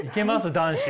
男子。